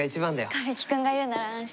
神木君が言うなら安心。